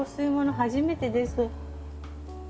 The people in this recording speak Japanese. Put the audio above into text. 初めてです。